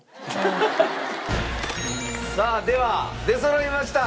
さあでは出そろいました。